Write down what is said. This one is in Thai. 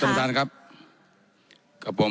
สำหรับท่านครับ